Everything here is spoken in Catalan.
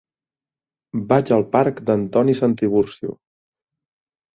Vaig al parc d'Antoni Santiburcio.